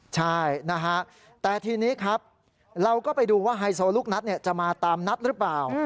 ใช่นะฮะแต่ทีนี้ครับเราก็ไปดูว่าไฮโซลูกนัดจะมาตามนัดหรือเปล่า